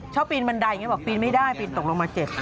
ปีนบันไดอย่างนี้บอกปีนไม่ได้ปีนตกลงมาเจ็บ